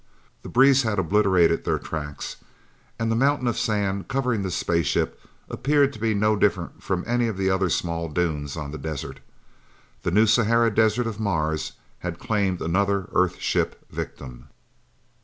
The breeze had obliterated their tracks and the mountain of sand covering the spaceship appeared to be no different from any of the other small dunes on the desert. The New Sahara desert of Mars had claimed another Earth ship victim.